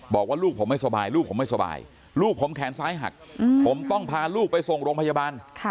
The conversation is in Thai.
บอกว่าลูกผมไม่สบายลูกผมแขนซ้ายหักผมต้องพาลูกไปส่งโรงพยาบาล